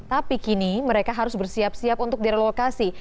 tapi kini mereka harus bersiap siap untuk direlokasi